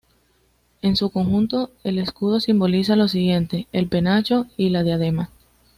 En su conjunto el escudo simboliza lo siguiente: el penacho y la diadema.